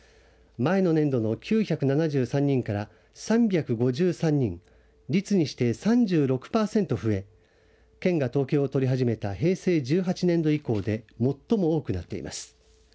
前の年度の９７３人から３５３人率にして３６パーセント増え県が統計を取り始めた平成１８年度以降で最も多くなっています。